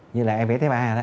như là fht ba